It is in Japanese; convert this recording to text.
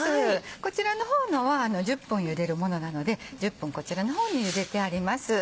こちらは１０分ゆでるものなので１０分こちらの方にゆでてあります。